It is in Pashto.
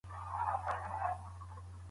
ولي هڅاند سړی د لوستي کس په پرتله برخلیک بدلوي؟